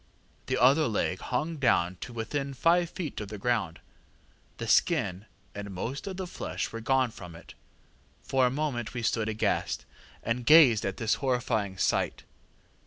The other leg hung down to within five feet of the ground. The skin and most of the flesh were gone from it. For a moment we stood aghast, and gazed at this horrifying sight.